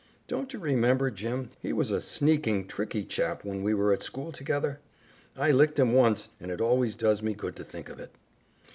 "Don't you remember, Jim, he was a sneaking, tricky chap when we were at school together? I licked him once, and it always does me good to think of it."